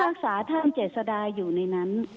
ผู้หญิงภาคศาสตร์ท่านเจษฎาอยู่ในนั้น